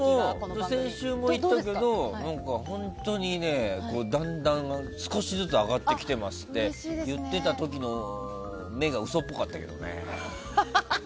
先週も言ったけど本当にだんだん、少しずつ上がってきていますって言っていた時の目が嘘っぽかったけどね。